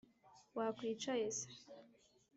« Wakwicaye se! »